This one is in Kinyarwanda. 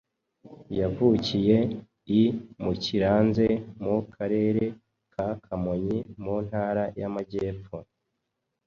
Yavukiye i Mukiranze mu Karere ka Kamonyi mu Ntara y’Amajyepfo